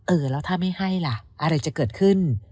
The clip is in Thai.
เออแล้วถ้าไม่ให้ล่ะอะไรจะเกิดขึ้น